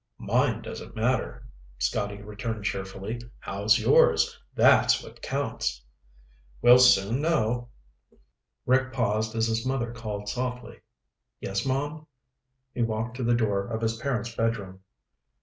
"Mine doesn't matter," Scotty returned cheerfully. "How's yours? That's what counts." "We'll soon know." Rick paused as his mother called softly. "Yes, Mom?" He walked to the door of his parents' bedroom.